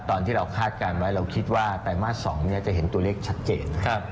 ตอนที่เราคาดการณ์ไว้เราคิดว่าไตรมาส๒จะเห็นตัวเลขชัดเจน